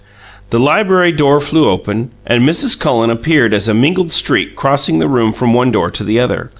The library door flew open, and Mrs. Cullen appeared as a mingled streak crossing the room from one door to the other.